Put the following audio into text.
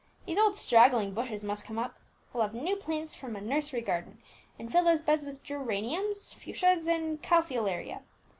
These old straggling bushes must come up; we'll have new plants from a nursery garden, and fill those beds with geraniums, fuchsias, and calceolaria.